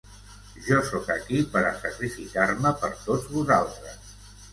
Jo sóc aquí per a sacrificar-me per tots vosaltres.